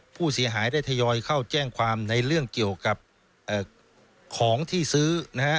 ผู้เสียหายได้ทยอยเข้าแจ้งความในเรื่องเกี่ยวกับของที่ซื้อนะฮะ